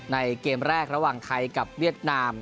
เกมแรกระหว่างไทยกับเวียดนาม